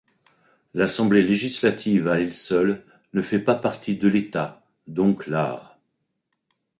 L’assemblée législative à elle seule ne fait pas partie de l’État, donc l’art.